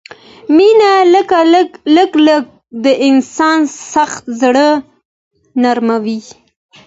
مننه کله کله د انسان سخت زړه نرموي.